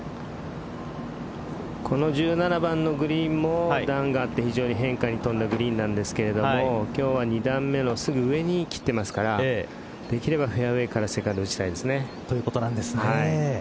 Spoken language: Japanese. この１７番のグリーンも段があって非常に変化に富んだグリーンですが今日は２段目のすぐ上に切ってますからできればフェアウエーからセカンド打ちたいですね。